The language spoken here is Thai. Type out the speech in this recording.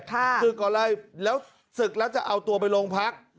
ศึกก่อนเลยแล้วศึกแล้วจะเอาตัวไปโรงพัก